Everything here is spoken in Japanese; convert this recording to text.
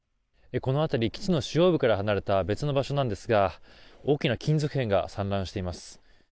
この辺り基地の主要部から離れた別の場所なんですが大きな金属片が散乱しています。